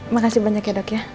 makasih banyak ya dok ya